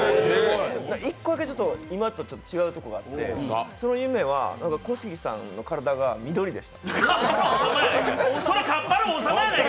１個だけ今と違うところがあって、その夢は小杉さんの体が緑でした。